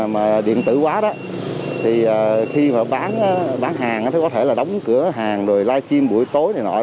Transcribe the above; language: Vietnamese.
mà điện tử quá thì khi mà bán hàng thì có thể là đóng cửa hàng rồi live stream buổi tối này nọ